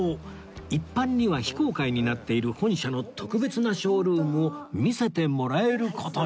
一般には非公開になっている本社の特別なショールームを見せてもらえる事に